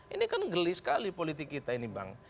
ini kan gelis sekali politik kita ini bang